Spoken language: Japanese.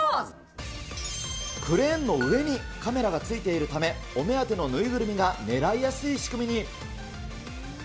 クレーンの上にカメラがついているため、お目当ての縫いぐるみが狙いやすい仕組みに。